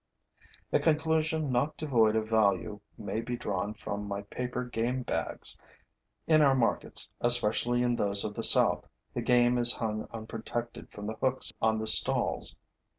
A conclusion not devoid of value may be drawn from my paper game bags. In our markets, especially in those of the South, the game is hung unprotected from the hooks on the stalls.